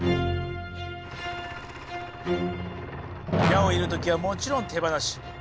矢を射る時はもちろん手放し。